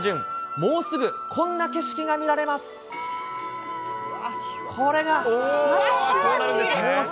もうすぐこんな景色が見られます。